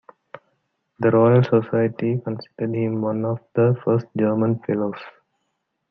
The Royal Society considers him one of the first German fellows.